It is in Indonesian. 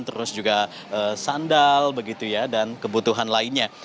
terus juga sandal begitu ya dan kebutuhan lainnya